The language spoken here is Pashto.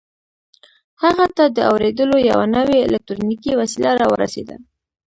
هغه ته د اورېدلو یوه نوې الکټرونیکي وسیله را ورسېده